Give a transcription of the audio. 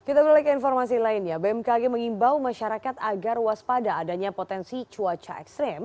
kita beralih ke informasi lainnya bmkg mengimbau masyarakat agar waspada adanya potensi cuaca ekstrim